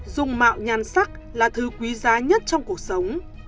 dùng mạo nhan sắc là thứ quý giá nhất trong cuộc sống